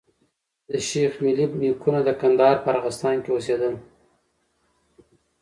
د شېخ ملي نيکونه د کندهار په ارغستان کي اوسېدل.